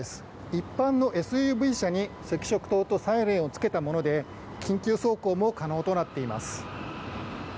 一般のＳＵＶ車に赤色灯とサイレンをつけたもので緊急走行も可能となっています。